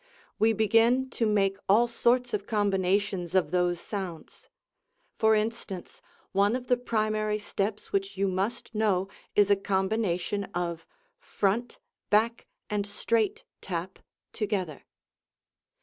We begin to make all sorts of combinations of those sounds. For instance, one of the primary steps which you must know is a combination of front, back and straight tap together.